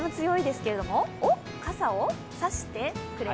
傘を差してくれた？